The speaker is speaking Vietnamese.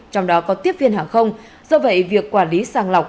trong đó có tiếp viên hàng không do vậy việc quản lý sàng lọc